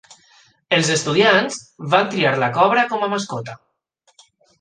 Els estudiants van triar la cobra com a mascota.